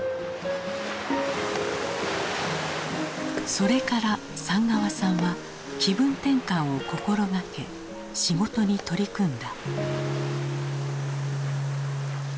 それから寒川さんは気分転換を心がけ仕事に取り組んだ。